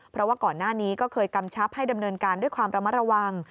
เพราะว่าก่อนหน้านี้ก็เคยกำชับให้ดำเนินการด้วยความระมัดระวัง